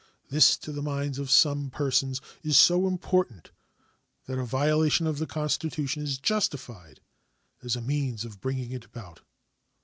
This, to the minds of some persons, is so important that a violation of the Constitution is justified as a means of bringing it about.